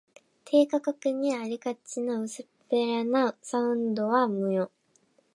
低価格にありがちな薄っぺらなサウンドとは無縁